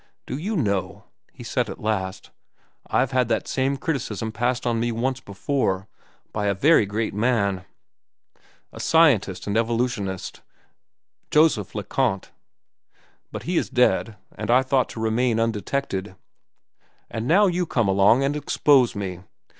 "Do you know," he said at last, "I've had that same criticism passed on me once before—by a very great man, a scientist and evolutionist, Joseph Le Conte. But he is dead, and I thought to remain undetected; and now you come along and expose me.